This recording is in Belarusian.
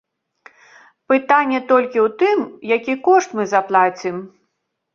Пытанне толькі ў тым, які кошт мы заплацім.